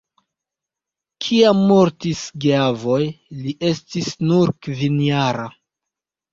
Kiam mortis la geavoj, li estis nur kvinjara.